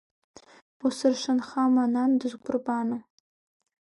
Усыршанхама, нан дызкәырбану?